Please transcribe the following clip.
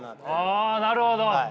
ああなるほど！